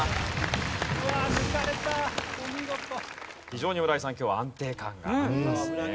非常に村井さん今日は安定感がありますね。